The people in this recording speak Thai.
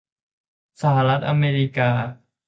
สหรัฐอเมริกา